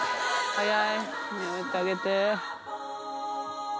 早いやめてあげて。